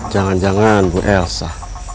jangan jangan bu elsa